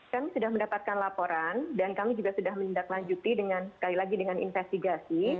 kami sudah mendapatkan laporan dan kami juga sudah menindaklanjuti dengan sekali lagi dengan investigasi